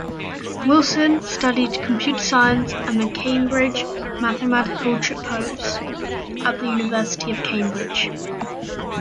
Wilson studied computer science and the Cambridge Mathematical Tripos at the University of Cambridge.